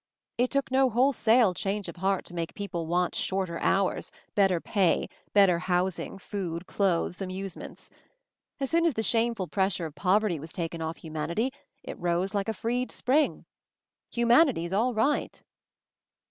It took no wholesale change of heart to make people want shorter hours, better \ 252 MOVING THE MOUNTAIN pay, better housing, food, clothes, amuse ments. As soon as the shameful pressure of poverty was taken off humanity it rose like a freed spring. Humanity's all right."